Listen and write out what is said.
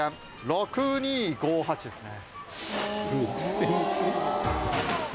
６２５８ですね。